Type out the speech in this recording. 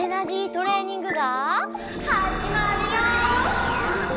トレーニングがはじまるよ！